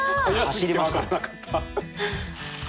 走りましたね。